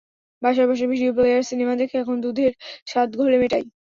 বাসায় বসে ডিভিডি প্লেয়ারে সিনেমা দেখে এখন দুধের স্বাদ ঘোলে মেটাই।